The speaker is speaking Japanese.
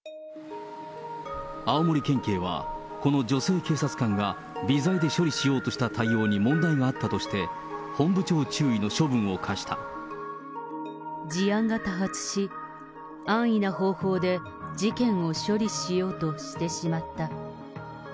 青森県警は、この女性警察官が微罪で処理しようとした対応に問題があったとして、事案が多発し、安易な方法で事件を処理しようとしてしまった。